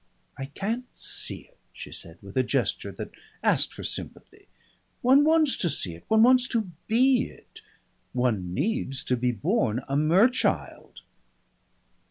"I can't see it," she said, with a gesture that asked for sympathy. "One wants to see it, one wants to be it. One needs to be born a mer child."